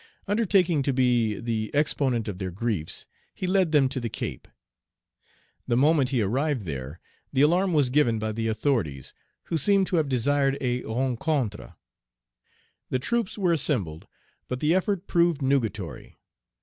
Undertaking to be the exponent of their griefs, he led them to the Cape. The moment he arrived there, the alarm was given by the authorities, who seem to have desired a rencontre. The troops were assembled, but the effort proved nugatory.